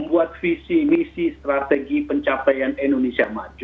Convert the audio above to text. buat visi misi strategi pencapaian indonesia maju